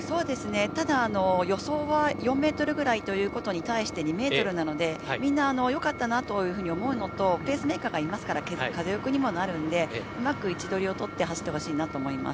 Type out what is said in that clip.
ただ、予想は４ｍぐらいということに対して２ｍなのでみんな、よかったなと思うのとペースメーカーがいますから風よけにもなるのでうまく位置取りをとって走ってほしいなと思います。